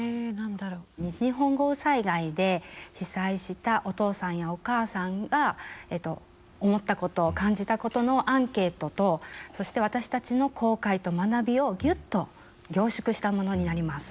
西日本豪雨災害で被災したお父さんやお母さんが思ったこと感じたことのアンケートとそして私たちの後悔と学びをギュッと凝縮したものになります。